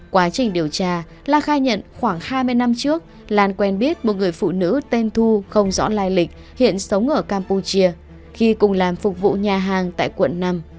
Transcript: quá trình điều tra lan khai nhận khoảng hai mươi năm trước lan quen biết một người phụ nữ tên thu không rõ lai lịch hiện sống ở campuchia khi cùng làm phục vụ nhà hàng tại quận năm